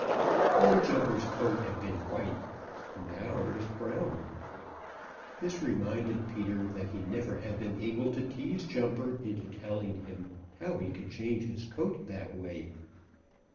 Then Jumper's coat had been white; now it was brown. This reminded Peter that he never had been able to tease Jumper into telling him how he could change his coat that way.